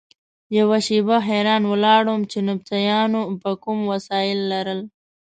یوه شېبه حیران ولاړ وم چې نبطیانو به کوم وسایل لرل.